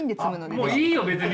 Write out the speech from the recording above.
もういいよ別に！